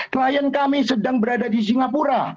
klien kami sedang berada di singapura